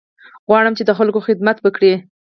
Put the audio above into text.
غواړم چې د خلکو خدمت وکړې.